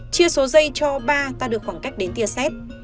chia số dây cho ba ta được khoảng cách đến tia xét